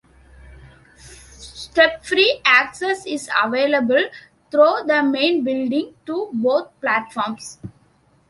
Step-free access is available through the main building to both platforms.